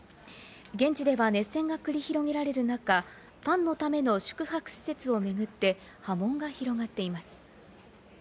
現地では熱戦が繰り広げられる中、ファンのための宿泊施設をめぐって波紋が広がっています。